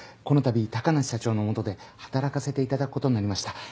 このたび高梨社長の下で働かせていただくことになりました。